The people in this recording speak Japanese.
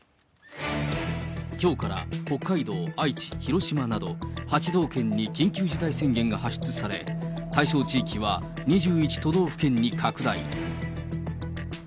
きょうから北海道、愛知、広島など８道県に緊急事態宣言が発出され、対象地域は２１都道府県に拡大。